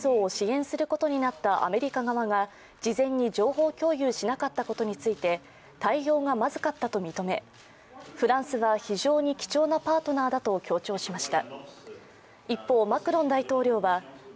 バイデン大統領はオーストラリアの潜水艦の建造を支援することになったアメリカ側が事前に情報共有しなかったことについて、対応がまずかったと認めフランスは非常に貴重なパートーナーだと強調しました。